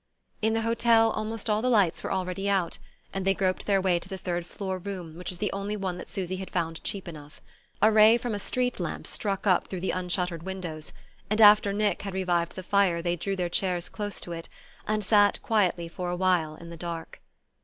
In the hotel almost all the lights were already out; and they groped their way to the third floor room which was the only one that Susy had found cheap enough. A ray from a street lamp struck up through the unshuttered windows; and after Nick had revived the fire they drew their chairs close to it, and sat quietly for a while in the dark.